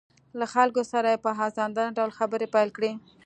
له خلکو سره یې په ازادانه ډول خبرې پیل کړې